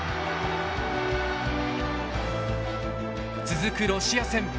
続くロシア戦。